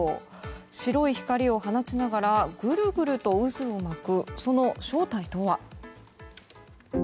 白い光を放ちながらぐるぐると渦を巻くその正体とは。